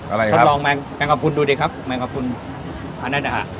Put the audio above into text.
อะไรคุณลองแมงแมงกระพุนดูดิครับแมงกระพุนอันนั้นนะฮะ